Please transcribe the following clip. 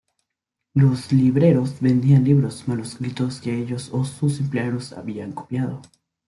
Los libreros vendían libros manuscritos que ellos o sus empleados habían copiado.